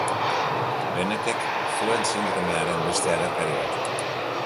Bennettek zuen sindromearen beste agerkari bat.